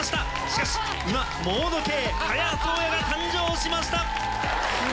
しかし今モード系賀屋壮也が誕生しました。